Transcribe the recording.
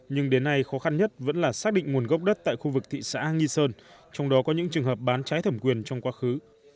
nhưng đến nay khó khăn nhất vẫn là xác định nguồn gốc đất tại khu vực thị xã nghi sơn trong đó có những trường hợp bán trái thẩm quyền trong quá khứ